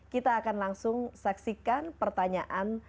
kita akan langsung saksikan pertanyaan